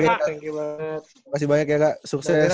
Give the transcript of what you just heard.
terima kasih banyak ya kak sukses